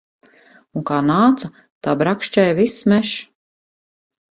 Un kā nāca, tā brakšķēja viss mežs.